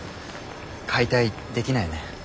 解体できないよね？